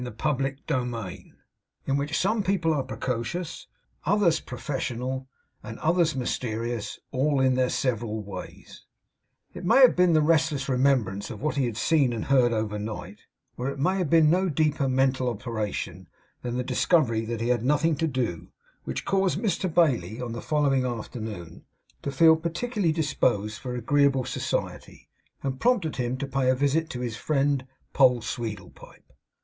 CHAPTER TWENTY NINE IN WHICH SOME PEOPLE ARE PRECOCIOUS, OTHERS PROFESSIONAL, AND OTHERS MYSTERIOUS; ALL IN THEIR SEVERAL WAYS It may have been the restless remembrance of what he had seen and heard overnight, or it may have been no deeper mental operation than the discovery that he had nothing to do, which caused Mr Bailey, on the following afternoon, to feel particularly disposed for agreeable society, and prompted him to pay a visit to his friend Poll Sweedlepipe.